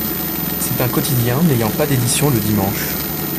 C'est un quotidien n'ayant pas d'édition le dimanche.